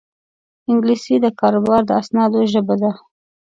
انګلیسي د کاروبار د اسنادو ژبه ده